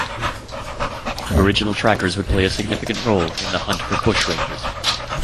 Aboriginal trackers would play a significant role in the hunt for bushrangers.